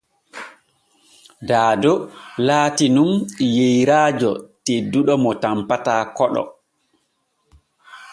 Daado laatinun yeyraajo tedduɗo mo tanpata koɗo.